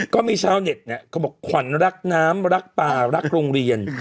ก็มีชาวเน็ตเนี่ยเขาบอกขวัญรักน้ำรักป่ารักโรงเรียน